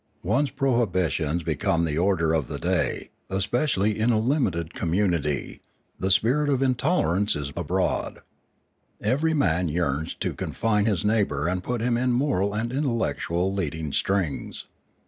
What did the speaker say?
Once prohibitions become the order of the day, especially in a limited community, the spirit of intolerance is abroad ; every man yearns to confine his neighbour and put him in moral aud intellectual lead ing strings.